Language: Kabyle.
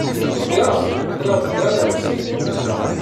Da, aql-aɣ deg laman.